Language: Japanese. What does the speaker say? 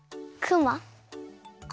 クマ？